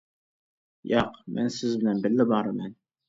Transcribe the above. -ياق، مەن سىز بىلەن بىللە بارىمەن.